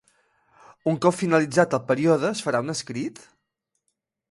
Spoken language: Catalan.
Un cop finalitzat el període, es farà un escrit?